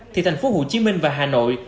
thì thành phố hồ chí minh và hà nội